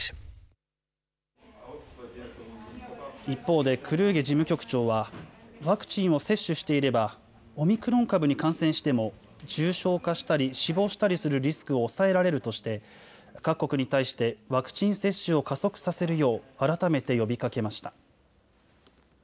一方でクルーゲ事務局長はワクチンを接種していればオミクロン株に感染しても重症化したり死亡したりするリスクを抑えられるとして各国に対してワクチン接種を加速させるよう改めて呼びかけました。